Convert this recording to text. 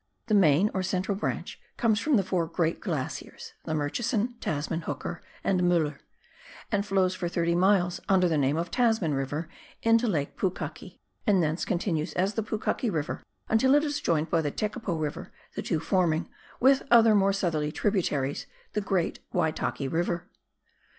The main or central branch comes from the four great glaciers, the Murchison, Tasman, Hooker, and Mueller, and flows for thirty miles under the name of Tasman River into Lake Pukaki, and thence continues as the Pukaki River until it is joined by the Tekapo River, the two forming, with other more southerly tributaries, the great Waitaki River.